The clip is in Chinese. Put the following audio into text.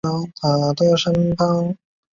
天启元年辛酉乡试举人。